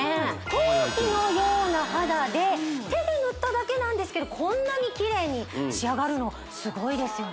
陶器のような肌で手で塗っただけなんですけどこんなにキレイに仕上がるのすごいですよね